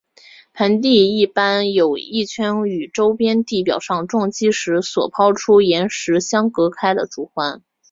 盆地一般有一圈与周边地表上撞击时所抛出岩石相隔开的主环。